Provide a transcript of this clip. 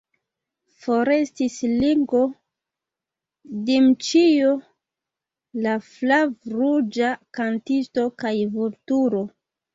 Forestis Ringo, Dmiĉjo, la flavruĝa kantisto kaj Vulturo!